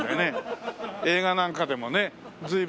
映画なんかでもね随分。